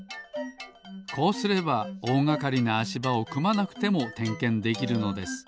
こうすればおおがかりなあしばをくまなくてもてんけんできるのです。